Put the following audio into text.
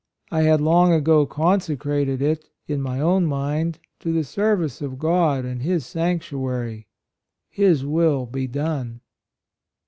I had long ago consecrated it, in my own mind, to the service of God and His sanctuary — His will be done."